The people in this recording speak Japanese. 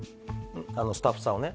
スタッフさんをね